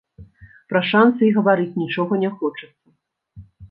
Пра шанцы і гаварыць нічога не хочацца.